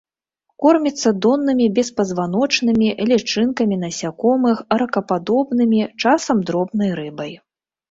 Корміцца доннымі беспазваночнымі, лічынкамі насякомых, ракападобнымі, часам дробнай рыбай.